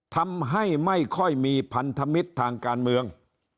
ทำให้ไม่ค่อยมีพันธมิตรทางการเมือง